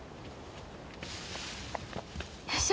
よいしょ！